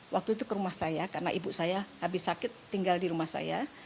waktu itu ke rumah saya karena ibu saya habis sakit tinggal di rumah saya